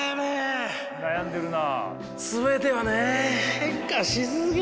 悩んでるな。